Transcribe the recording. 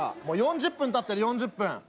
もう４０分たってる４０分。